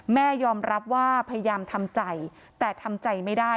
แม่ยอมรับว่าพยายามทำใจแต่ทำใจไม่ได้